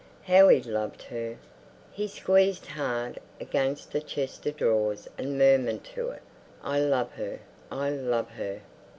How he loved her! He squeezed hard against the chest of drawers and murmured to it, "I love her, I love her!"